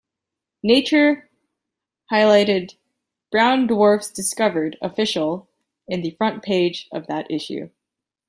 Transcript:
"Nature" highlighted "Brown dwarfs discovered, official" in the front page of that issue.